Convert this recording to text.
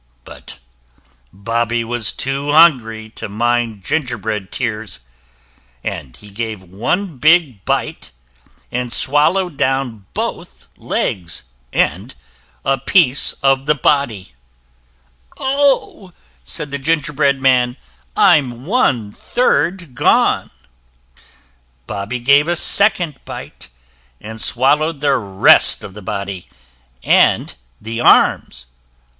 But Bobby was too hungry to mind gingerbread tears, and he gave one big bite, and swallowed down both legs and a piece of the body. [Illustration: "1/3 gone"] "OH!" said the gingerbread man, "I'M ONE THIRD GONE!" Bobby gave a second bite, and swallowed the rest of the body and the arms.